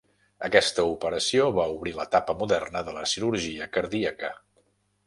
Aquesta operació va obrir l'etapa moderna de la cirurgia cardíaca.